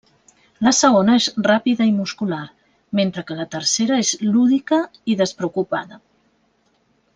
La segona és ràpida i muscular, mentre que la tercera és lúdica i despreocupada.